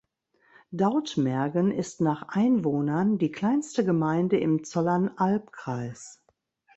Dautmergen ist nach Einwohnern die kleinste Gemeinde im Zollernalbkreis.